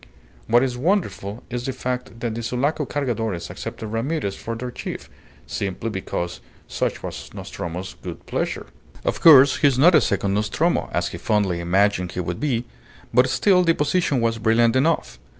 What is wonderful is the fact that the Sulaco Cargadores accepted Ramirez for their chief, simply because such was Nostromo's good pleasure. Of course, he is not a second Nostromo, as he fondly imagined he would be; but still, the position was brilliant enough.